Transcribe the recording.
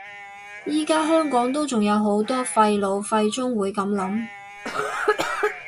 而家香港都仲有好多廢老廢中會噉諗